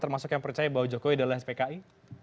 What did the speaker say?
termasuk yang percaya bahwa jokowi adalah spki